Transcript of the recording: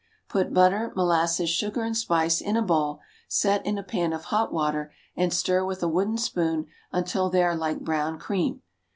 Put butter, molasses, sugar and spice in a bowl, set in a pan of hot water and stir with a wooden spoon until they are like brown cream.